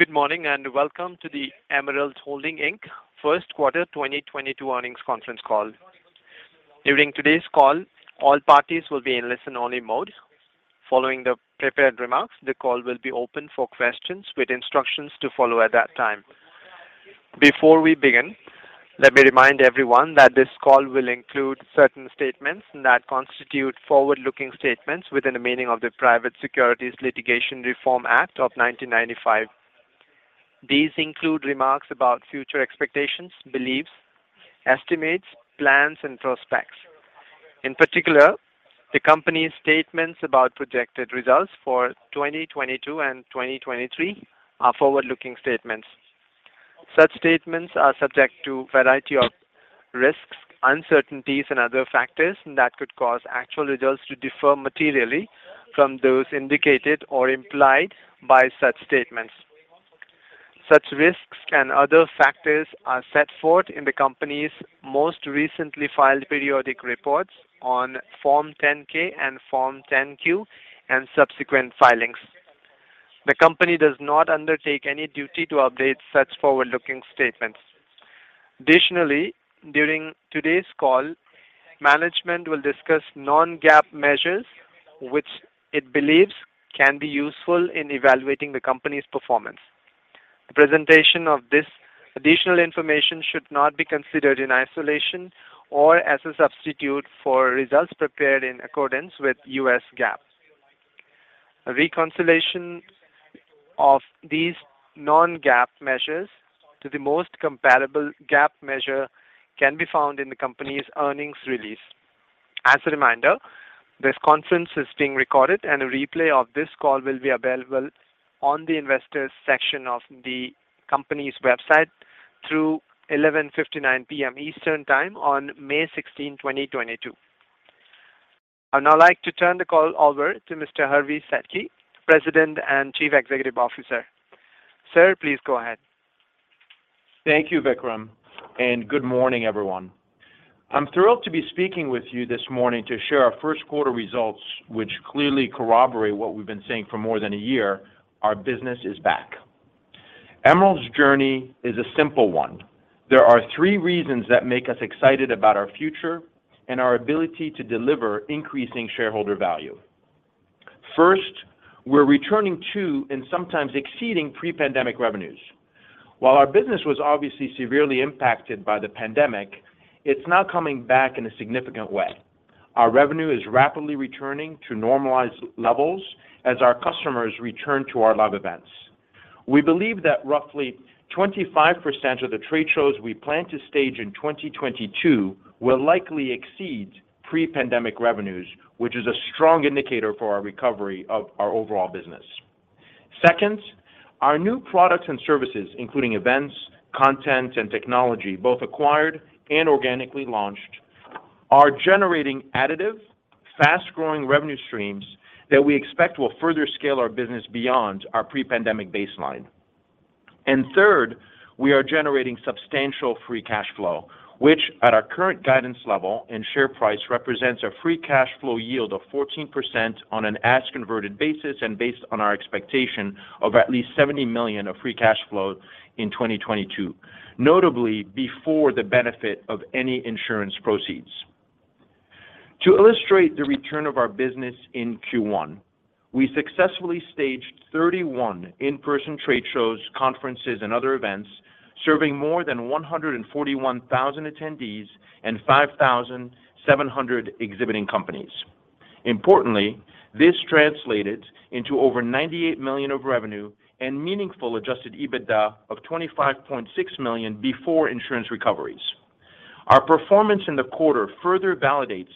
Good morning and welcome to the Emerald Holding, Inc. first quarter 2022 earnings conference call. During today's call, all parties will be in listen-only mode. Following the prepared remarks, the call will be open for questions with instructions to follow at that time. Before we begin, let me remind everyone that this call will include certain statements that constitute forward-looking statements within the meaning of the Private Securities Litigation Reform Act of 1995. These include remarks about future expectations, beliefs, estimates, plans and prospects. In particular, the company's statements about projected results for 2022 and 2023 are forward-looking statements. Such statements are subject to a variety of risks, uncertainties and other factors that could cause actual results to differ materially from those indicated or implied by such statements. Such risks and other factors are set forth in the company's most recently filed periodic reports on Form 10-K and Form 10-Q and subsequent filings. The company does not undertake any duty to update such forward-looking statements. Additionally, during today's call, management will discuss Non-GAAP measures which it believes can be useful in evaluating the company's performance. The presentation of this additional information should not be considered in isolation or as a substitute for results prepared in accordance with US GAAP. A reconciliation of these Non-GAAP measures to the most comparable GAAP measure can be found in the company's earnings release. As a reminder, this conference is being recorded and a replay of this call will be available on the investors section of the company's website through 11:59 P.M. Eastern Time on May 16, 2022. I'd now like to turn the call over to Mr. Hervé Sedky, President and Chief Executive Officer. Sir, please go ahead. Thank you, Vikram, and good morning, everyone. I'm thrilled to be speaking with you this morning to share our first quarter results, which clearly corroborate what we've been saying for more than a year. Our business is back. Emerald's journey is a simple one. There are three reasons that make us excited about our future and our ability to deliver increasing shareholder value. First, we're returning to, and sometimes exceeding pre-pandemic revenues. While our business was obviously severely impacted by the pandemic, it's now coming back in a significant way. Our revenue is rapidly returning to normalized levels as our customers return to our live events. We believe that roughly 25% of the trade shows we plan to stage in 2022 will likely exceed pre-pandemic revenues, which is a strong indicator for our recovery of our overall business. Second, our new products and services, including events, content, and technology, both acquired and organically launched, are generating additive, fast-growing revenue streams that we expect will further scale our business beyond our pre-pandemic baseline. Third, we are generating substantial free cash flow, which at our current guidance level and share price, represents a free cash flow yield of 14% on an as converted basis and based on our expectation of at least $70 million of free cash flow in 2022, notably before the benefit of any insurance proceeds. To illustrate the return of our business in Q1, we successfully staged 31 in-person trade shows, conferences and other events serving more than 141,000 attendees and 5,700 exhibiting companies. Importantly, this translated into over $98 million of revenue and meaningful adjusted EBITDA of $25.6 million before insurance recoveries. Our performance in the quarter further validates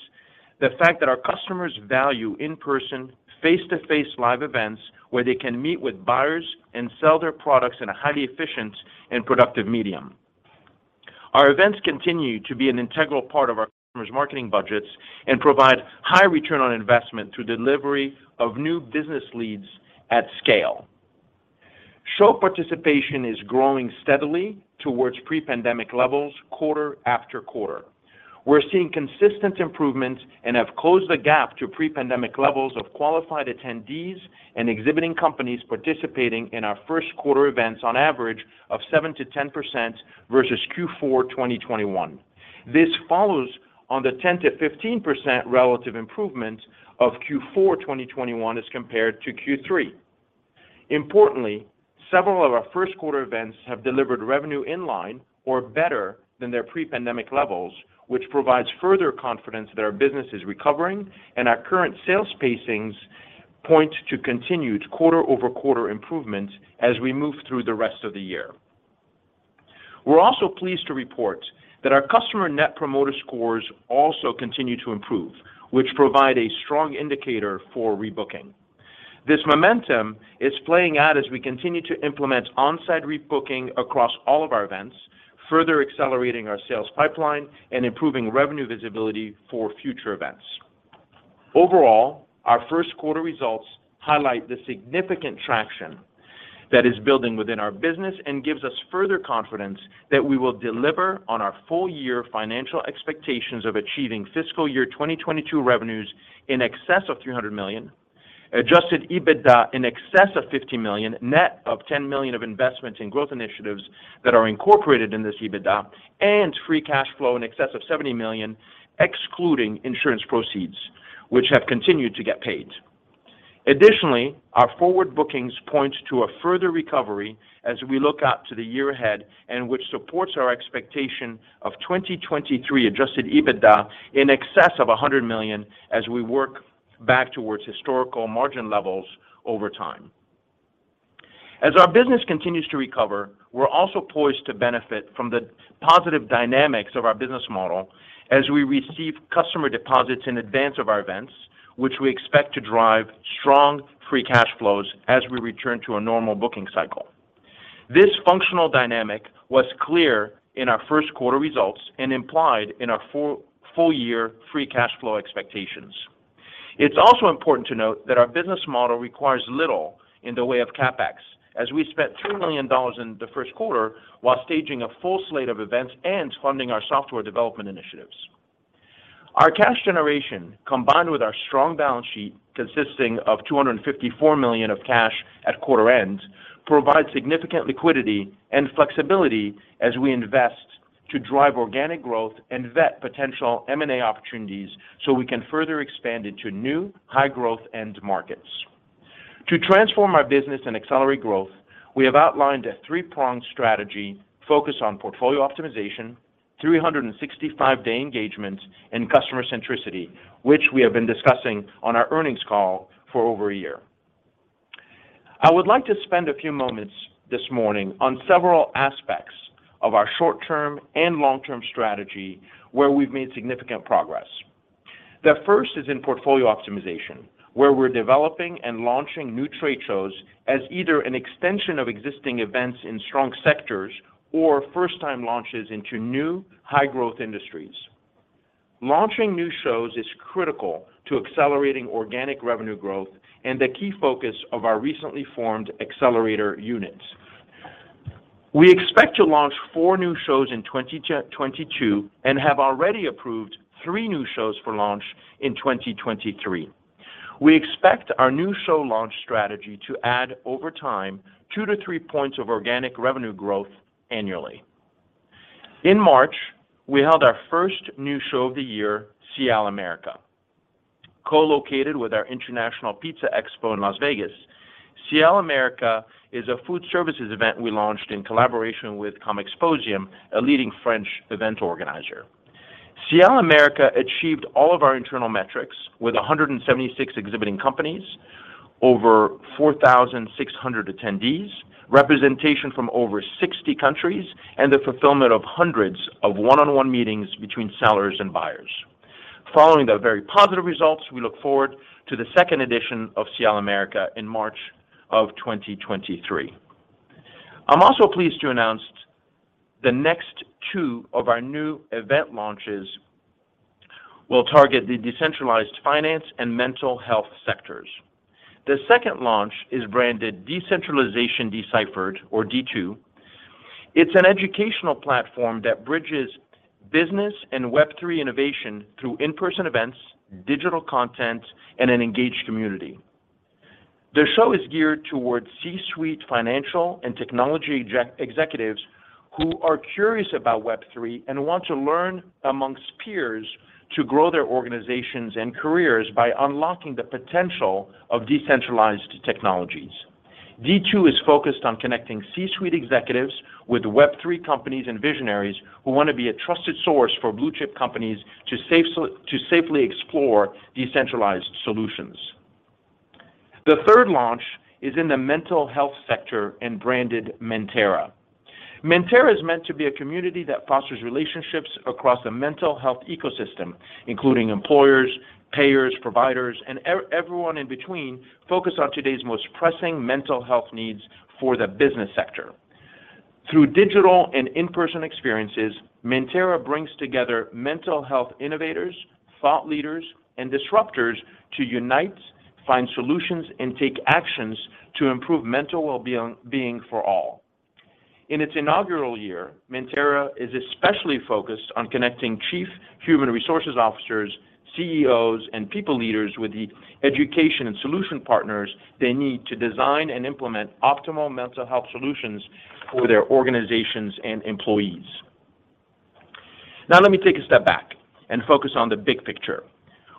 the fact that our customers value in-person face-to-face live events where they can meet with buyers and sell their products in a highly efficient and productive medium. Our events continue to be an integral part of our customers' marketing budgets and provide high return on investment through delivery of new business leads at scale. Show participation is growing steadily towards pre-pandemic levels quarter after quarter. We're seeing consistent improvements and have closed the gap to pre-pandemic levels of qualified attendees and exhibiting companies participating in our first quarter events on average of 7%-10% versus Q4 2021. This follows on the 10%-15% relative improvement of Q4 2021 as compared to Q3. Importantly, several of our first quarter events have delivered revenue in line or better than their pre-pandemic levels, which provides further confidence that our business is recovering and our current sales pacings point to continued quarter-over-quarter improvements as we move through the rest of the year. We're also pleased to report that our customer net promoter scores also continue to improve, which provide a strong indicator for rebooking. This momentum is playing out as we continue to implement on-site rebooking across all of our events, further accelerating our sales pipeline and improving revenue visibility for future events. Overall, our first quarter results highlight the significant traction that is building within our business and gives us further confidence that we will deliver on our full year financial expectations of achieving fiscal year 2022 revenues in excess of $300 million, Adjusted EBITDA in excess of $50 million, net of $10 million of investment in growth initiatives that are incorporated in this EBITDA, and free cash flow in excess of $70 million, excluding insurance proceeds, which have continued to get paid. Additionally, our forward bookings point to a further recovery as we look out to the year ahead and which supports our expectation of 2023 adjusted EBITDA in excess of $100 million as we work back towards historical margin levels over time. As our business continues to recover, we're also poised to benefit from the positive dynamics of our business model as we receive customer deposits in advance of our events, which we expect to drive strong free cash flows as we return to a normal booking cycle. This functional dynamic was clear in our first quarter results and implied in our full year free cash flow expectations. It's also important to note that our business model requires little in the way of CapEx, as we spent $3 million in the first quarter while staging a full slate of events and funding our software development initiatives. Our cash generation, combined with our strong balance sheet consisting of $254 million of cash at quarter end, provides significant liquidity and flexibility as we invest to drive organic growth and vet potential M&A opportunities so we can further expand into new high growth end markets. To transform our business and accelerate growth, we have outlined a three-pronged strategy focused on portfolio optimization, 365-day engagement, and customer centricity, which we have been discussing on our earnings call for over a year. I would like to spend a few moments this morning on several aspects of our short-term and long-term strategy where we've made significant progress. The first is in portfolio optimization, where we're developing and launching new trade shows as either an extension of existing events in strong sectors or first time launches into new high growth industries. Launching new shows is critical to accelerating organic revenue growth and the key focus of our recently formed accelerator units. We expect to launch four new shows in 2022 and have already approved three new shows for launch in 2023. We expect our new show launch strategy to add over time two to three points of organic revenue growth annually. In March, we held our first new show of the year, SIAL America. Co-located with our International Pizza Expo in Las Vegas, SIAL America is a food services event we launched in collaboration with Comexposium, a leading French event organizer. SIAL America achieved all of our internal metrics with 176 exhibiting companies, over 4,600 attendees, representation from over 60 countries, and the fulfillment of hundreds of one-on-one meetings between sellers and buyers. Following the very positive results, we look forward to the second edition of SIAL America in March 2023. I'm also pleased to announce the next two of our new event launches will target the decentralized finance and mental health sectors. The second launch is branded Decentralization Deciphered, or D2. It's an educational platform that bridges business and Web3 innovation through in-person events, digital content, and an engaged community. The show is geared towards C-suite financial and technology executives who are curious about Web3 and want to learn among peers to grow their organizations and careers by unlocking the potential of decentralized technologies. D2 is focused on connecting C-suite executives with Web3 companies and visionaries who want to be a trusted source for blue-chip companies to safely explore decentralized solutions. The third launch is in the mental health sector and branded Mentera. Mentera is meant to be a community that fosters relationships across the mental health ecosystem, including employers, payers, providers, and everyone in between focused on today's most pressing mental health needs for the business sector. Through digital and in-person experiences, Mentera brings together mental health innovators, thought leaders, and disruptors to unite, find solutions, and take actions to improve mental wellbeing for all. In its inaugural year, Mentera is especially focused on connecting chief human resources officers, CEOs, and people leaders with the education and solution partners they need to design and implement optimal mental health solutions for their organizations and employees. Now let me take a step back and focus on the big picture.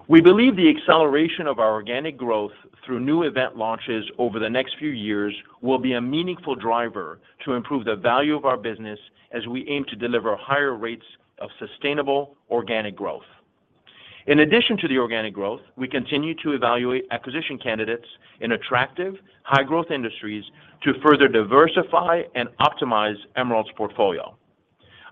We believe the acceleration of our organic growth through new event launches over the next few years will be a meaningful driver to improve the value of our business as we aim to deliver higher rates of sustainable organic growth. In addition to the organic growth, we continue to evaluate acquisition candidates in attractive high growth industries to further diversify and optimize Emerald's portfolio.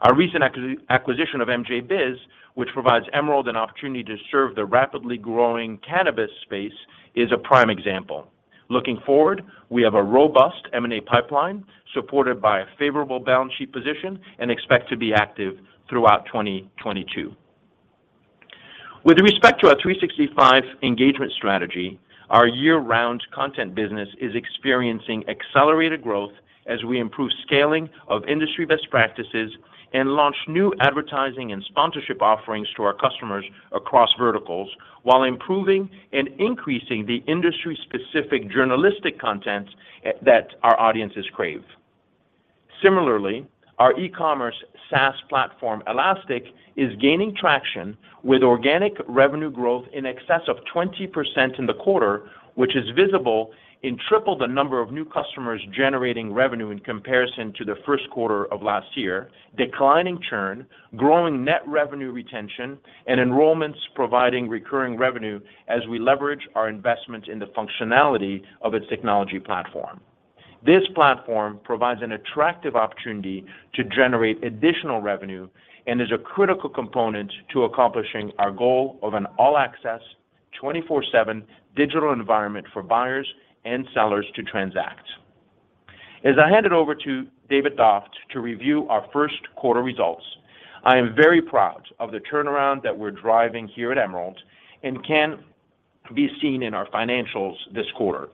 Our recent acquisition of MJBiz, which provides Emerald an opportunity to serve the rapidly growing cannabis space, is a prime example. Looking forward, we have a robust M&A pipeline supported by a favorable balance sheet position and expect to be active throughout 2022. With respect to our 365 engagement strategy, our year-round content business is experiencing accelerated growth as we improve scaling of industry best practices and launch new advertising and sponsorship offerings to our customers across verticals while improving and increasing the industry specific journalistic content that our audiences crave. Similarly, our e-commerce SaaS platform, Elastic, is gaining traction with organic revenue growth in excess of 20% in the quarter, which is visible in triple the number of new customers generating revenue in comparison to the first quarter of last year, declining churn, growing net revenue retention, and enrollments providing recurring revenue as we leverage our investment in the functionality of its technology platform. This platform provides an attractive opportunity to generate additional revenue and is a critical component to accomplishing our goal of an all-access, 24/7 digital environment for buyers and sellers to transact. As I hand it over to David Doft to review our first quarter results, I am very proud of the turnaround that we're driving here at Emerald and can be seen in our financials this quarter.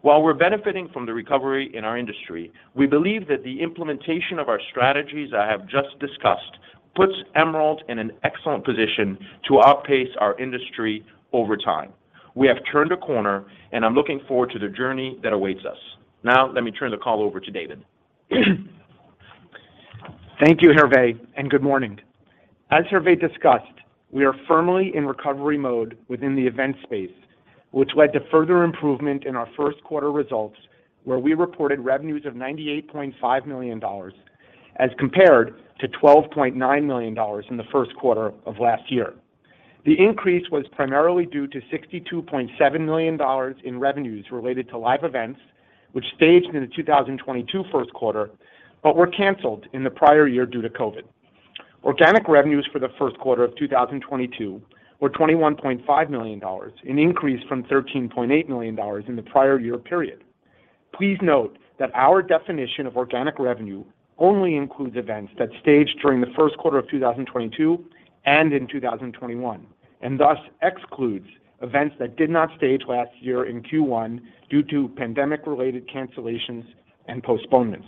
While we're benefiting from the recovery in our industry, we believe that the implementation of our strategies I have just discussed puts Emerald in an excellent position to outpace our industry over time. We have turned a corner, and I'm looking forward to the journey that awaits us. Now let me turn the call over to David. Thank you, Hervé, and good morning. As Hervé discussed, we are firmly in recovery mode within the event space, which led to further improvement in our first quarter results, where we reported revenues of $98.5 million as compared to $12.9 million in the first quarter of last year. The increase was primarily due to $62.7 million in revenues related to live events, which staged in the 2022 first quarter, but were canceled in the prior year due to COVID. Organic revenues for the first quarter of 2022 were $21.5 million, an increase from $13.8 million in the prior year period. Please note that our definition of organic revenue only includes events that staged during the first quarter of 2022 and in 2021, and thus excludes events that did not stage last year in Q1 due to pandemic-related cancellations and postponements.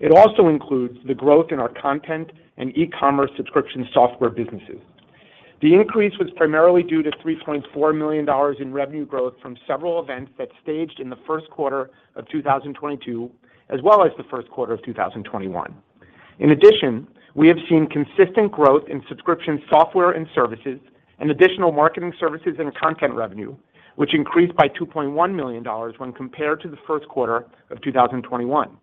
It also includes the growth in our content and e-commerce subscription software businesses. The increase was primarily due to $3.4 million in revenue growth from several events that staged in the first quarter of 2022 as well as the first quarter of 2021. In addition, we have seen consistent growth in subscription software and services and additional marketing services and content revenue, which increased by $2.1 million when compared to the first quarter of 2021.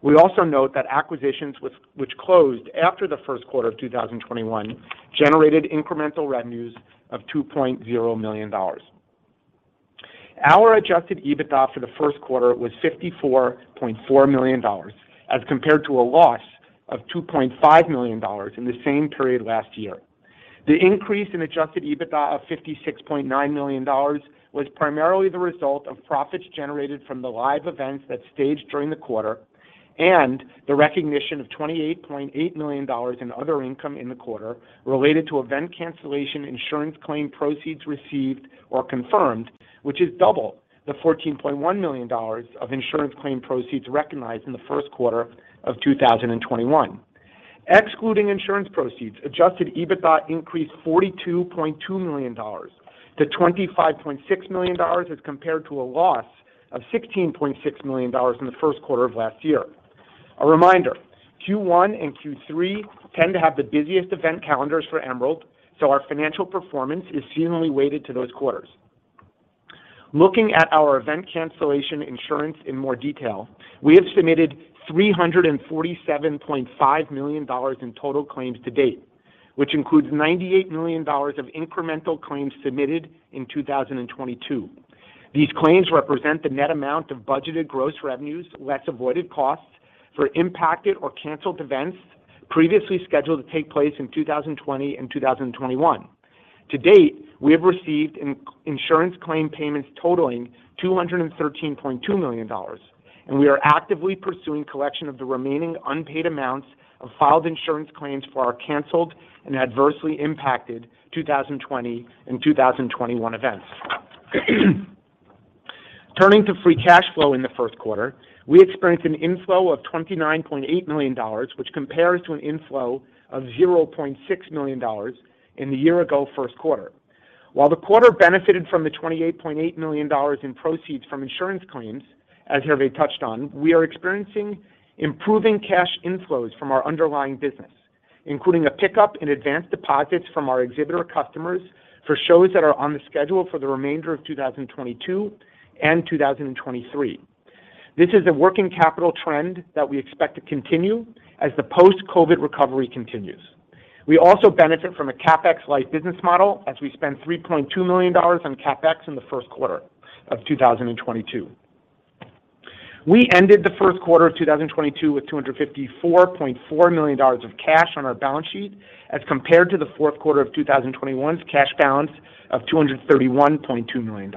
We also note that acquisitions which closed after the first quarter of 2021 generated incremental revenues of $2.0 million. Our adjusted EBITDA for the first quarter was $54.4 million as compared to a loss of $2.5 million in the same period last year. The increase in adjusted EBITDA of $56.9 million was primarily the result of profits generated from the live events that staged during the quarter and the recognition of $28.8 million in other income in the quarter related to event cancellation insurance claim proceeds received or confirmed, which is double the $14.1 million of insurance claim proceeds recognized in the first quarter of 2021. Excluding insurance proceeds, adjusted EBITDA increased $42.2 million to $25.6 million as compared to a loss of $16.6 million in the first quarter of last year. A reminder, Q1 and Q3 tend to have the busiest event calendars for Emerald, so our financial performance is seasonally weighted to those quarters. Looking at our event cancellation insurance in more detail, we have submitted $347.5 million in total claims to date, which includes $98 million of incremental claims submitted in 2022. These claims represent the net amount of budgeted gross revenues, less avoided costs for impacted or canceled events previously scheduled to take place in 2020 and 2021. To date, we have received insurance claim payments totaling $213.2 million, and we are actively pursuing collection of the remaining unpaid amounts of filed insurance claims for our canceled and adversely impacted 2020 and 2021 events. Turning to free cash flow in the first quarter, we experienced an inflow of $29.8 million, which compares to an inflow of $0.6 million in the year ago first quarter. While the quarter benefited from the $28.8 million in proceeds from insurance claims, as Hervé touched on, we are experiencing improving cash inflows from our underlying business. Including a pickup in advance deposits from our exhibitor customers for shows that are on the schedule for the remainder of 2022 and 2023. This is a working capital trend that we expect to continue as the post-COVID recovery continues. We also benefit from a CapEx light business model as we spend $3.2 million on CapEx in the first quarter of 2022. We ended the first quarter of 2022 with $254.4 million of cash on our balance sheet as compared to the fourth quarter of 2021's cash balance of $231.2 million.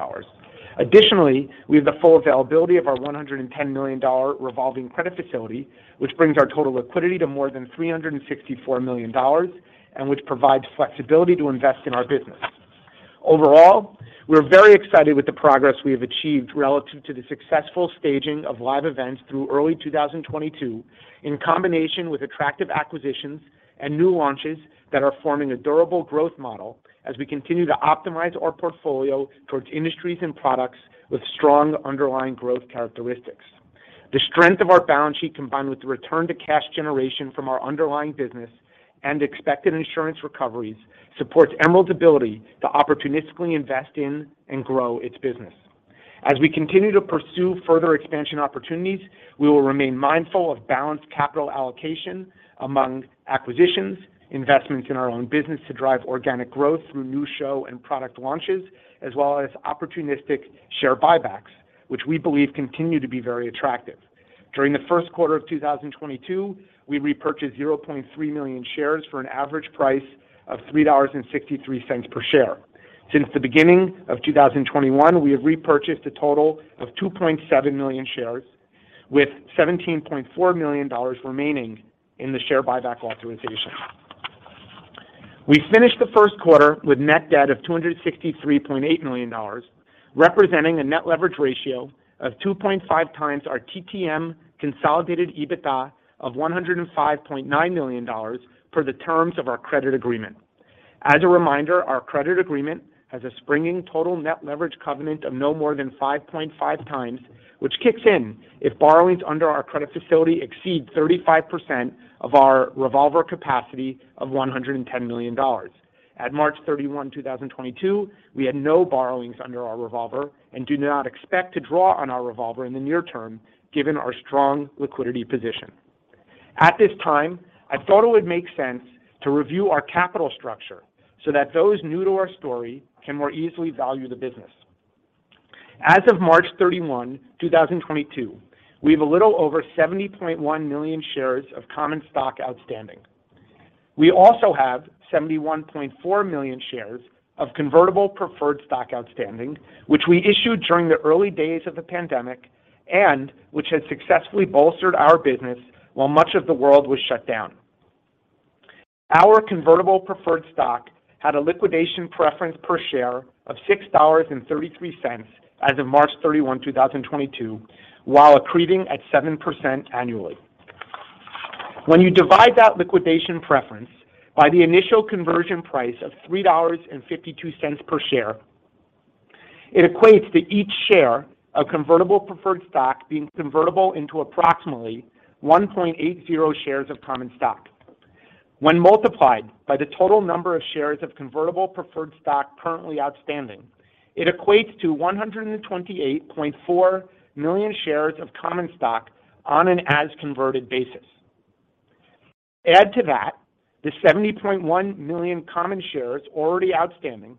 Additionally, we have the full availability of our $110 million revolving credit facility, which brings our total liquidity to more than $364 million and which provides flexibility to invest in our business. Overall, we're very excited with the progress we have achieved relative to the successful staging of live events through early 2022 in combination with attractive acquisitions and new launches that are forming a durable growth model as we continue to optimize our portfolio towards industries and products with strong underlying growth characteristics. The strength of our balance sheet, combined with the return to cash generation from our underlying business and expected insurance recoveries, supports Emerald's ability to opportunistically invest in and grow its business. As we continue to pursue further expansion opportunities, we will remain mindful of balanced capital allocation among acquisitions, investments in our own business to drive organic growth through new show and product launches, as well as opportunistic share buybacks, which we believe continue to be very attractive. During the first quarter of 2022, we repurchased 0.3 million shares for an average price of $3.63 per share. Since the beginning of 2021, we have repurchased a total of 2.7 million shares with $17.4 million remaining in the share buyback authorization. We finished the first quarter with net debt of $263.8 million, representing a net leverage ratio of 2.5x our TTM consolidated EBITDA of $105.9 million per the terms of our credit agreement. Our credit agreement has a springing total net leverage covenant of no more than 5.5x, which kicks in if borrowings under our credit facility exceed 35% of our revolver capacity of $110 million. At March 31, 2022, we had no borrowings under our revolver and do not expect to draw on our revolver in the near term given our strong liquidity position. At this time, I thought it would make sense to review our capital structure so that those new to our story can more easily value the business. As of March 31, 2022, we have a little over 70.1 million shares of common stock outstanding. We also have 71.4 million shares of convertible preferred stock outstanding, which we issued during the early days of the pandemic and which has successfully bolstered our business while much of the world was shut down. Our convertible preferred stock had a liquidation preference per share of $6.33 as of March 31, 2022, while accreting at 7% annually. When you divide that liquidation preference by the initial conversion price of $3.52 per share, it equates to each share of convertible preferred stock being convertible into approximately 1.80 shares of common stock. When multiplied by the total number of shares of convertible preferred stock currently outstanding, it equates to 128.4 million shares of common stock on an as converted basis. Add to that the 70.1 million common shares already outstanding,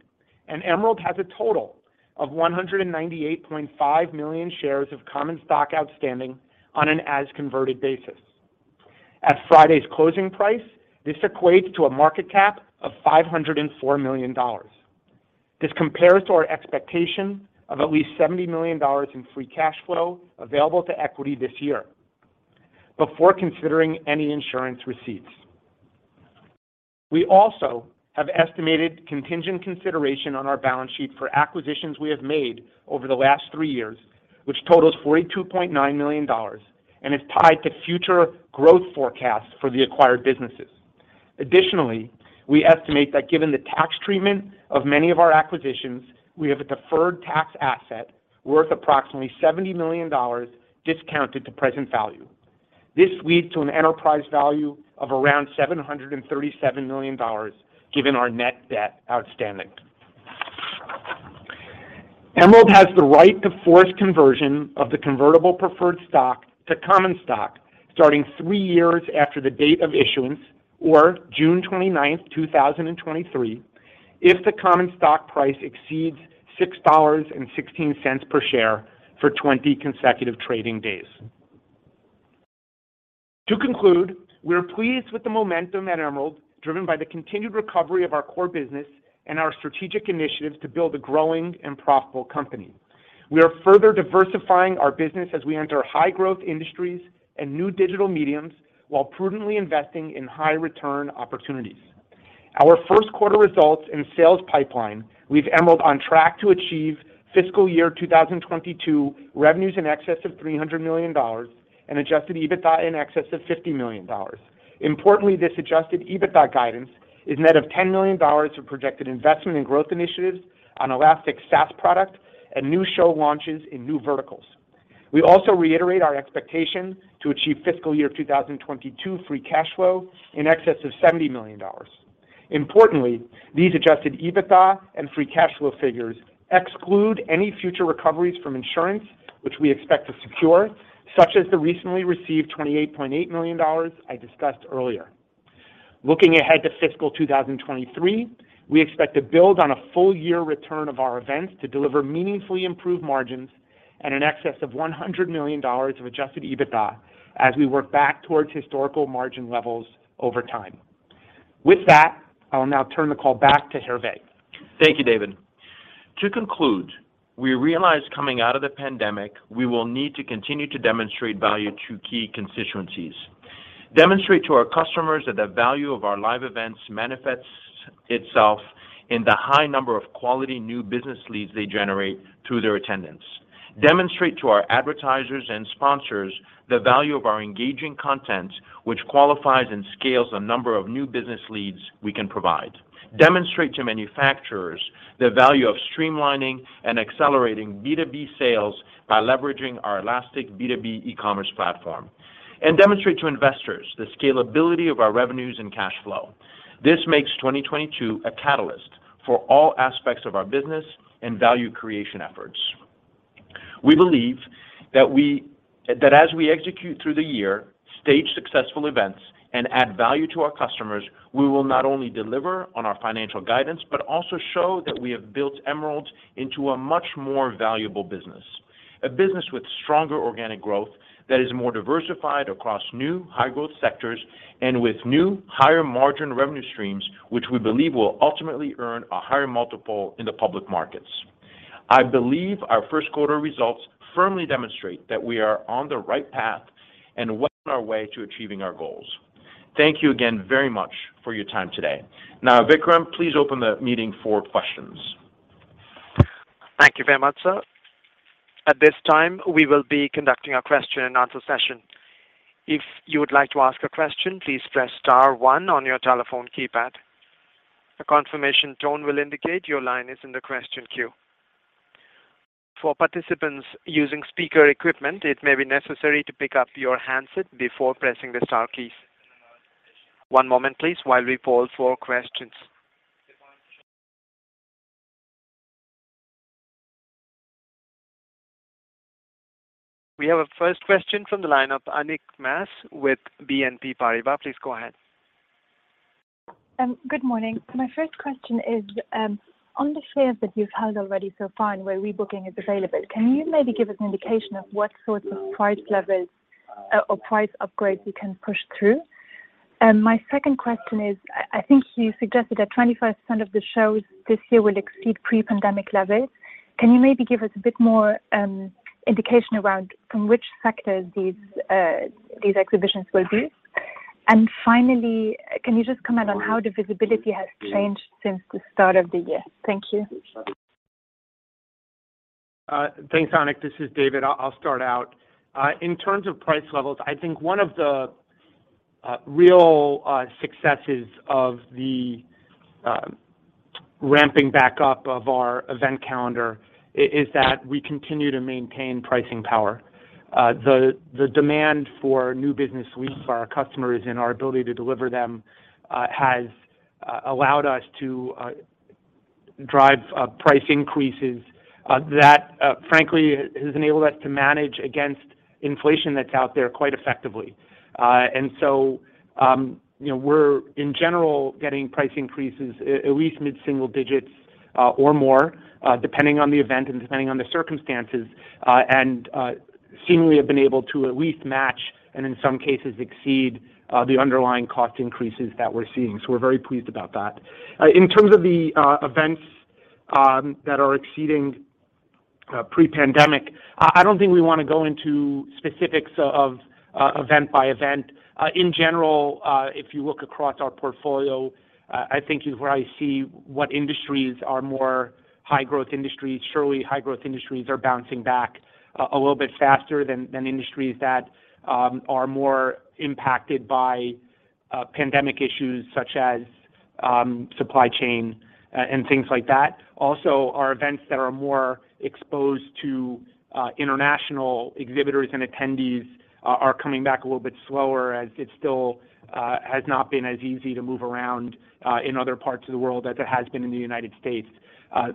and Emerald has a total of 198.5 million shares of common stock outstanding on an as converted basis. At Friday's closing price, this equates to a market cap of $504 million. This compares to our expectation of at least $70 million in free cash flow available to equity this year before considering any insurance receipts. We also have estimated contingent consideration on our balance sheet for acquisitions we have made over the last 3 years, which totals $42.9 million and is tied to future growth forecasts for the acquired businesses. Additionally, we estimate that given the tax treatment of many of our acquisitions, we have a deferred tax asset worth approximately $70 million discounted to present value. This leads to an enterprise value of around $737 million given our net debt outstanding. Emerald has the right to force conversion of the convertible preferred stock to common stock starting 3 years after the date of issuance, or June 29, 2023, if the common stock price exceeds $6.16 per share for 20 consecutive trading days. To conclude, we are pleased with the momentum at Emerald, driven by the continued recovery of our core business and our strategic initiatives to build a growing and profitable company. We are further diversifying our business as we enter high-growth industries and new digital mediums while prudently investing in high-return opportunities. Our first quarter results and sales pipeline leaves Emerald on track to achieve fiscal year 2022 revenues in excess of $300 million and adjusted EBITDA in excess of $50 million. Importantly, this adjusted EBITDA guidance is net of $10 million of projected investment in growth initiatives on Elastic Suite and new show launches in new verticals. We also reiterate our expectation to achieve fiscal year 2022 free cash flow in excess of $70 million. Importantly, these adjusted EBITDA and free cash flow figures exclude any future recoveries from insurance which we expect to secure, such as the recently received $28.8 million I discussed earlier. Looking ahead to fiscal 2023, we expect to build on a full year return of our events to deliver meaningfully improved margins and in excess of $100 million of adjusted EBITDA as we work back towards historical margin levels over time. With that, I will now turn the call back to Hervé. Thank you, David. To conclude, we realize coming out of the pandemic, we will need to continue to demonstrate value to key constituencies. Demonstrate to our customers that the value of our live events manifests. Itself in the high number of quality new business leads they generate through their attendance. Demonstrate to our advertisers and sponsors the value of our engaging content, which qualifies and scales a number of new business leads we can provide. Demonstrate to manufacturers the value of streamlining and accelerating B2B sales by leveraging our Elastic B2B e-commerce platform. Demonstrate to investors the scalability of our revenues and cash flow. This makes 2022 a catalyst for all aspects of our business and value creation efforts. We believe that as we execute through the year, stage successful events, and add value to our customers, we will not only deliver on our financial guidance, but also show that we have built Emerald into a much more valuable business. A business with stronger organic growth that is more diversified across new high-growth sectors and with new higher-margin revenue streams, which we believe will ultimately earn a higher multiple in the public markets. I believe our first quarter results firmly demonstrate that we are on the right path and well on our way to achieving our goals. Thank you again very much for your time today. Now, Vikram, please open the meeting for questions. Thank you very much, sir. At this time, we will be conducting our question and answer session. If you would like to ask a question, please press star one on your telephone keypad. A confirmation tone will indicate your line is in the question queue. For participants using speaker equipment, it may be necessary to pick up your handset before pressing the star key. One moment, please, while we poll for questions. We have a first question from the line of Anik Maes with BNP Paribas. Please go ahead. Good morning. My first question is on the shares that you've held already so far and where rebooking is available, can you maybe give us an indication of what sorts of price levels or price upgrades you can push through? My second question is, I think you suggested that 25% of the shows this year will exceed pre-pandemic levels. Can you maybe give us a bit more indication around from which sector these exhibitions will be? Finally, can you just comment on how the visibility has changed since the start of the year? Thank you. Thanks, Anik. This is David. I'll start out. In terms of price levels, I think one of the real successes of the ramping back up of our event calendar is that we continue to maintain pricing power. The demand for new business leads for our customers and our ability to deliver them has allowed us to drive price increases that frankly has enabled us to manage against inflation that's out there quite effectively. You know, we're in general getting price increases at least mid-single digits or more depending on the event and depending on the circumstances. Seemingly have been able to at least match and in some cases exceed the underlying cost increases that we're seeing. We're very pleased about that. In terms of the events that are exceeding pre-pandemic, I don't think we wanna go into specifics of event by event. In general, if you look across our portfolio, I think you will see what industries are more high growth industries. Surely high growth industries are bouncing back a little bit faster than industries that are more impacted by pandemic issues such as supply chain and things like that. Also, our events that are more exposed to international exhibitors and attendees are coming back a little bit slower as it still has not been as easy to move around in other parts of the world as it has been in the United States.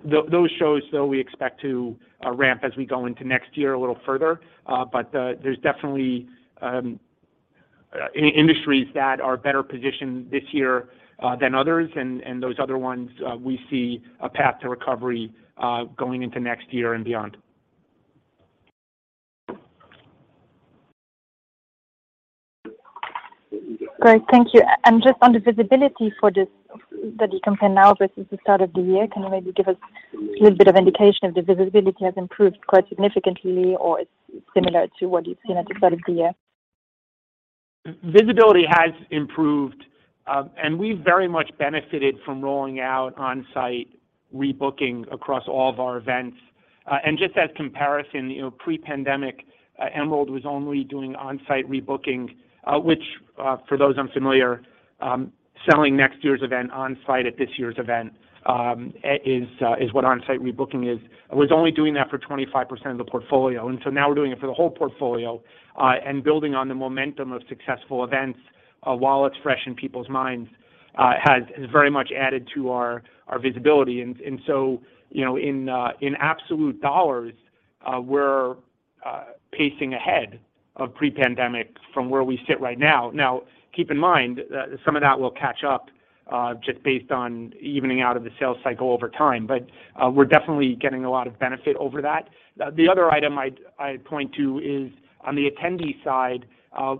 Those shows, though, we expect to ramp as we go into next year a little further. There's definitely industries that are better positioned this year than others. Those other ones, we see a path to recovery going into next year and beyond. Great. Thank you. Just on the visibility for this that you compare now versus the start of the year, can you maybe give us a little bit of indication if the visibility has improved quite significantly or it's similar to what you've seen at the start of the year? Visibility has improved, and we've very much benefited from rolling out on-site rebooking across all of our events. Just as comparison, you know, pre-pandemic, Emerald was only doing on-site rebooking, which, for those unfamiliar, selling next year's event on-site at this year's event, is what on-site rebooking is. Was only doing that for 25% of the portfolio, and so now we're doing it for the whole portfolio. Building on the momentum of successful events, while it's fresh in people's minds, has very much added to our visibility. You know, in absolute dollars, we're pacing ahead of pre-pandemic from where we sit right now. Now, keep in mind that some of that will catch up, just based on evening out of the sales cycle over time. We're definitely getting a lot of benefit over that. The other item I'd point to is on the attendee side,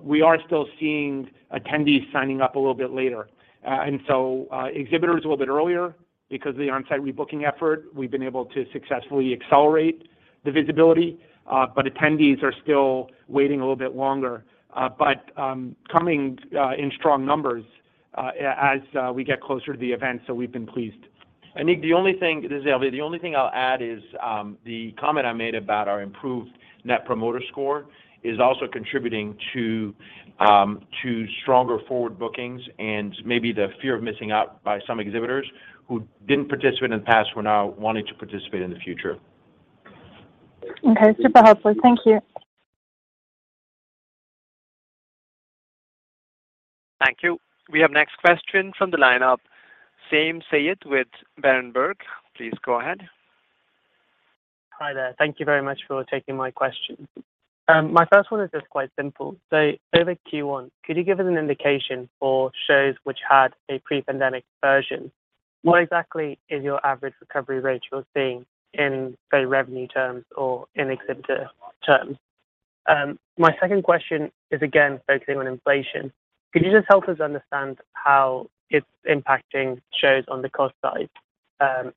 we are still seeing attendees signing up a little bit later and exhibitors a little bit earlier because the on-site rebooking effort we've been able to successfully accelerate. The visibility, but attendees are still waiting a little bit longer, but coming in strong numbers, as we get closer to the event. We've been pleased. Nick, this is Hervé. The only thing I'll add is, the comment I made about our improved net promoter score is also contributing to stronger forward bookings and maybe the fear of missing out by some exhibitors who didn't participate in the past who are now wanting to participate in the future. Okay. Super helpful. Thank you. Thank you. We have next question from the lineup. Saim Saeed with Berenberg. Please go ahead. Hi there. Thank you very much for taking my question. My first one is just quite simple. Over Q1, could you give us an indication for shows which had a pre-pandemic version, what exactly is your average recovery rate you're seeing in, say, revenue terms or in exhibitor terms? My second question is again focusing on inflation. Could you just help us understand how it's impacting shows on the cost side,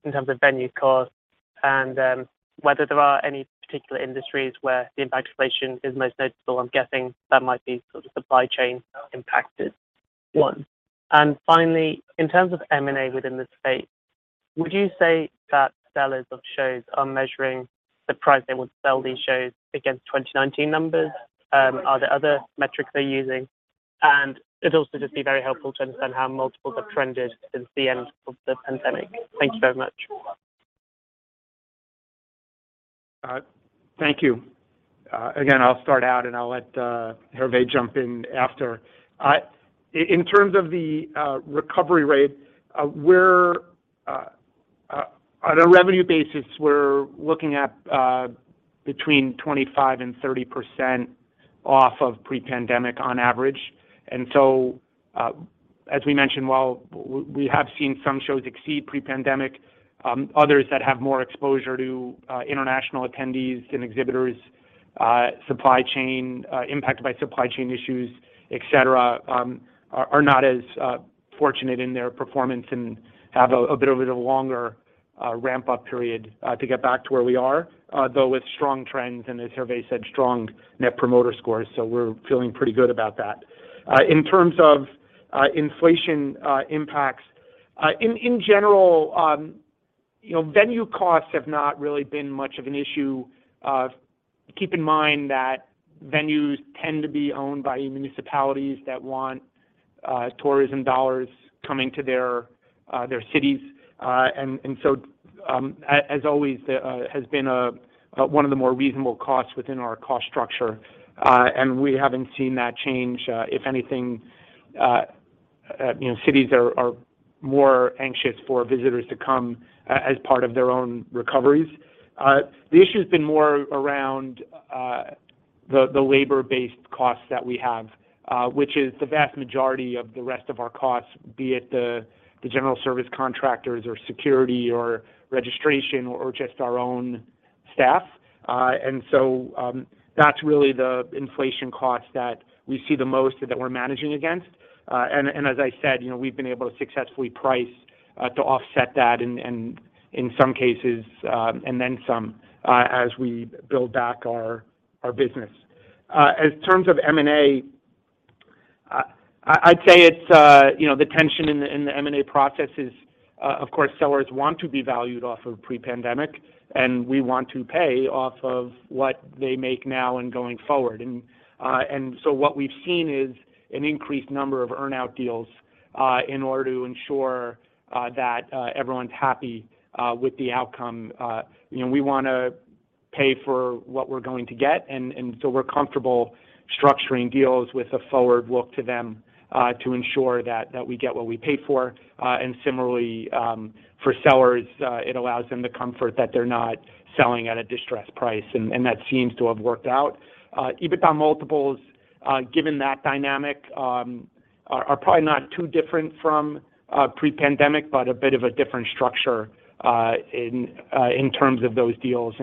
in terms of venue costs and whether there are any particular industries where the impact of inflation is most noticeable? I'm guessing that might be sort of supply chain impacted one. Finally, in terms of M&A within the space, would you say that sellers of shows are measuring the price they would sell these shows against 2019 numbers? Are there other metrics they're using? It'd also just be very helpful to understand how multiples have trended since the end of the pandemic. Thank you so much. Thank you. Again, I'll start out, and I'll let Hervé jump in after. In terms of the recovery rate, on a revenue basis, we're looking at between 25% and 30% off of pre-pandemic on average. As we mentioned, while we have seen some shows exceed pre-pandemic, others that have more exposure to international attendees and exhibitors, supply chain impacted by supply chain issues, et cetera, are not as fortunate in their performance and have a bit of a longer ramp-up period to get back to where we are, though with strong trends and, as Hervé said, strong net promoter scores. We're feeling pretty good about that. In terms of inflation impacts in general, you know, venue costs have not really been much of an issue. Keep in mind that venues tend to be owned by municipalities that want tourism dollars coming to their cities. As always, the venue has been one of the more reasonable costs within our cost structure, and we haven't seen that change. If anything, you know, cities are more anxious for visitors to come as part of their own recoveries. The issue's been more around the labor-based costs that we have, which is the vast majority of the rest of our costs, be it the general service contractors or security or registration or just our own staff. That's really the inflation cost that we see the most that we're managing against. As I said, you know, we've been able to successfully price to offset that and in some cases and then some as we build back our business. In terms of M&A, I'd say it's you know the tension in the M&A process is of course sellers want to be valued off of pre-pandemic and we want to pay off of what they make now and going forward. What we've seen is an increased number of earn-out deals in order to ensure that everyone's happy with the outcome. You know, we wanna pay for what we're going to get, and so we're comfortable structuring deals with a forward look to them, to ensure that we get what we pay for. Similarly, for sellers, it allows them the comfort that they're not selling at a distressed price. That seems to have worked out. EBITDA multiples, given that dynamic, are probably not too different from pre-pandemic but a bit of a different structure in terms of those deals.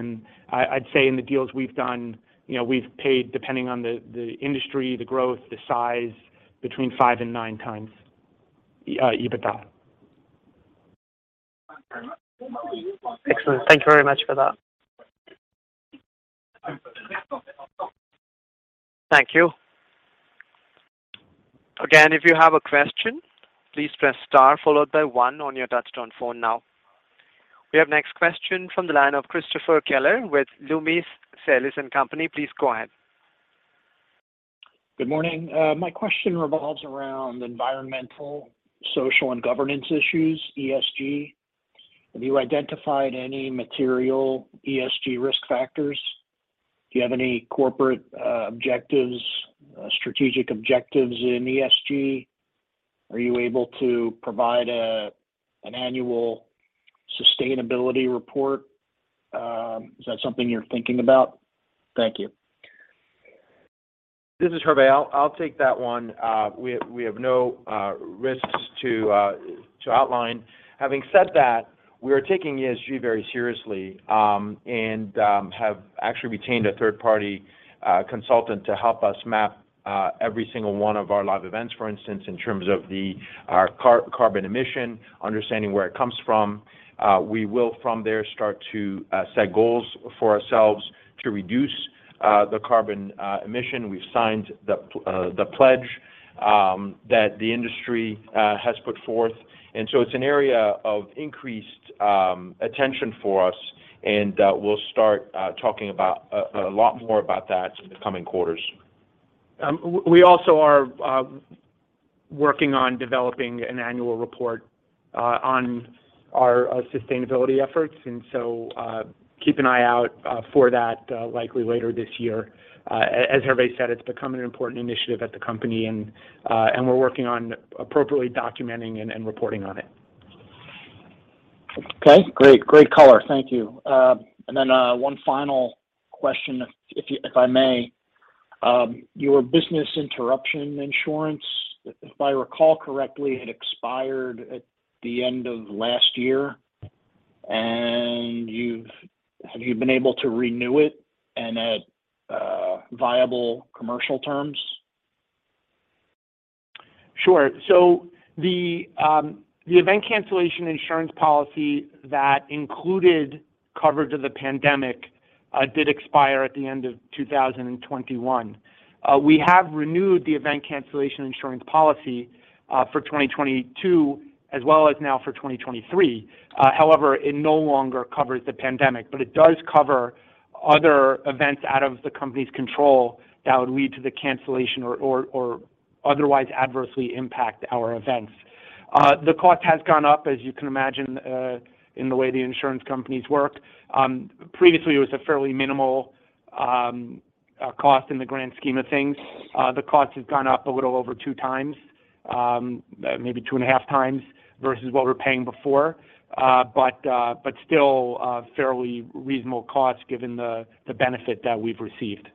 I'd say in the deals we've done, you know, we've paid depending on the industry, the growth, the size between 5x and 9x EBITDA. Excellent. Thank you very much for that. Thank you. Again, if you have a question, please press star followed by one on your touchtone phone now. We have next question from the line of Chris Kelleher with Loomis, Sayles & Company. Please go ahead. Good morning. My question revolves around environmental, social, and governance issues, ESG. Have you identified any material ESG risk factors? Do you have any corporate objectives, strategic objectives in ESG? Are you able to provide an annual sustainability report? Is that something you're thinking about? Thank you. This is Hervé. I'll take that one. We have no risks to outline. Having said that, we are taking ESG very seriously, and have actually retained a third-party consultant to help us map every single one of our live events, for instance, in terms of our carbon emission, understanding where it comes from. We will from there start to set goals for ourselves to reduce The carbon emission. We've signed the pledge that the industry has put forth. It's an area of increased attention for us and we'll start talking about a lot more about that in the coming quarters. We also are working on developing an annual report on our sustainability efforts. Keep an eye out for that, likely later this year. As Harvey said, it's become an important initiative at the company and we're working on appropriately documenting and reporting on it. Okay. Great. Great color. Thank you. One final question if I may. Your business interruption insurance, if I recall correctly, it expired at the end of last year, and have you been able to renew it and at viable commercial terms? Sure. The event cancellation insurance policy that included coverage of the pandemic did expire at the end of 2021. We have renewed the event cancellation insurance policy for 2022 as well as now for 2023. However, it no longer covers the pandemic, but it does cover other events out of the company's control that would lead to the cancellation or otherwise adversely impact our events. The cost has gone up, as you can imagine, in the way the insurance companies work. Previously, it was a fairly minimal cost in the grand scheme of things. The cost has gone up a little over 2x, maybe 2.5x versus what we're paying before. Still, fairly reasonable cost given the benefit that we've received.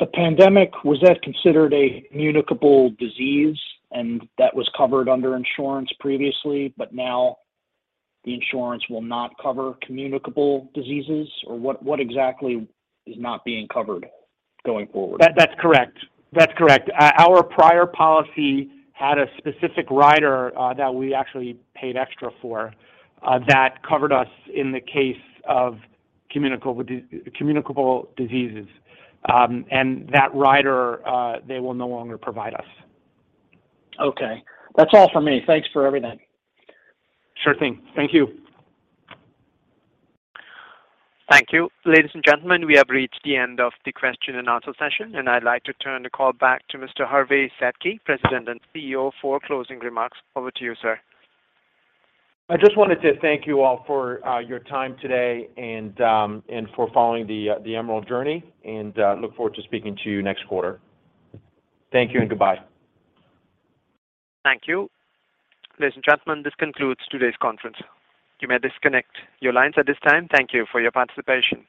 The pandemic, was that considered a communicable disease and that was covered under insurance previously, but now the insurance will not cover communicable diseases or what exactly is not being covered going forward? That's correct. Our prior policy had a specific rider that we actually paid extra for that covered us in the case of communicable diseases. That rider, they will no longer provide us. Okay. That's all for me. Thanks for everything. Sure thing. Thank you. Thank you. Ladies and gentlemen, we have reached the end of the question and answer session, and I'd like to turn the call back to Mr. Hervé Sedky, President and CEO, for closing remarks. Over to you, sir. I just wanted to thank you all for your time today and for following the Emerald journey, and look forward to speaking to you next quarter. Thank you and goodbye. Thank you. Ladies and gentlemen, this concludes today's conference. You may disconnect your lines at this time. Thank you for your participation.